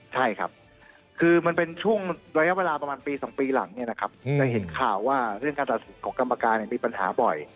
ใช่ครับคือมันเป็นช่วงระยะเวลาประมาณปี๒ปีหลังเนี่ยนะครับจะเห็นข่าวว่าเรื่องการตัดสินของกรรมการมีปัญหาบ่อย